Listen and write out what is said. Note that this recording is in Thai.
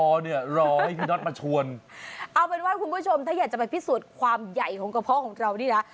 รอเนี่ยรอให้พี่น็อตมาชวนเอาเป็นว่าคุณผู้ชมถ้าอยากจะไปพิสูจน์ความใหญ่ของกระเพาะของเรานี่นะ